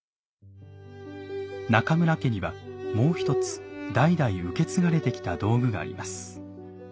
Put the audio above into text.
中村家にはもう一つ代々受け継がれてきた道具があります。